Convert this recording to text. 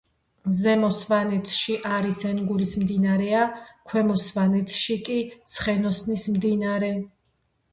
ზემო სვანეთში არის ენგურის მდინარეა. ქვემო სვანეთში კი ცხენოსნის მდინარე.